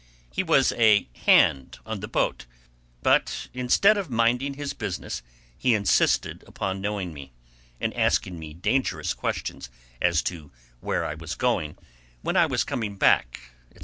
He was a "hand" on the boat, but, instead of minding his business, he insisted upon knowing me, and asking me dangerous questions as to where I was going, when I was coming back, etc.